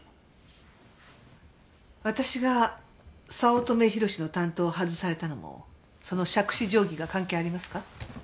私が早乙女宏志の担当を外されたのもその杓子定規が関係ありますか？